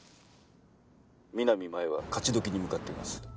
「南真衣は勝どきに向かっています」